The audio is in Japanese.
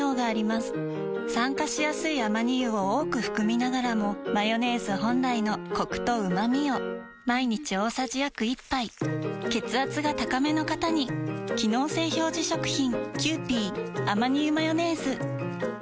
酸化しやすいアマニ油を多く含みながらもマヨネーズ本来のコクとうまみを毎日大さじ約１杯血圧が高めの方に機能性表示食品皆様。